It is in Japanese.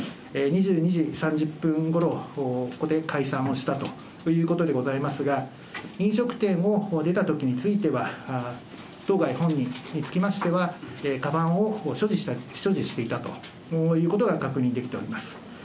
２２時３０分ごろ、ここで解散をしたということでございますが、飲食店を出たときについては、当該本人につきましては、かばんを所持していたということが確認できております。